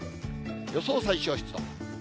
予想最小湿度。